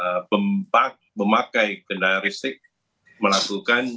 dan sebenarnya hampir sembilan puluh pemakai kendaraan listrik melakukan charging di rumah